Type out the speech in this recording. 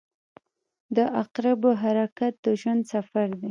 • د عقربو حرکت د ژوند سفر دی.